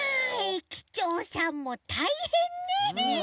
駅長さんもたいへんね。